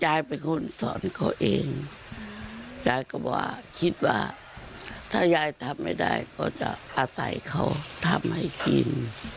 ยายเป็นคนสอนเขาเองยายก็ว่าคิดว่าถ้ายายทำไม่ได้ก็จะอาศัยเขาทำให้กิน